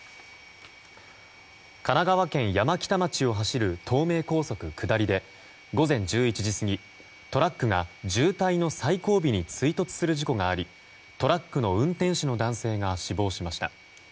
神奈川県山北町を走る東名高速下りで午前１１時過ぎ、トラックが渋滞の最後尾に追突する事故がありトラックの運転手の男性が死亡しました。